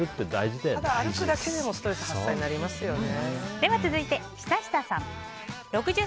ただ歩くだけでもストレス発散になりますよね。